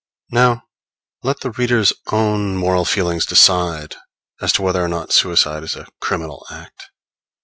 Now let the reader's own moral feelings decide as to whether or not suicide is a criminal act.